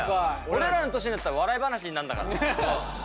俺らの年になったら笑い話になんだから。